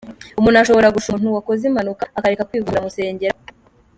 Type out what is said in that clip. Umuntu ashobora gushuka umuntu wakoze impanuka akareka kwivuza ngo baramusengera?”.